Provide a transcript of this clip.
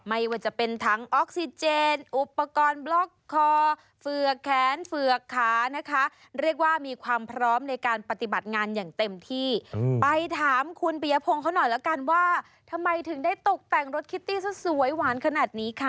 ไปถามคุณปี่ยะพงเขาหน่อยแล้วกันว่าทำไมถึงได้ตกแต่งรถคิตตี้สวยหวานขนาดนี้คะ